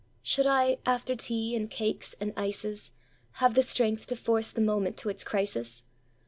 Should I, after tea and cakes and ices, Have the strength to force the moment to its crisis?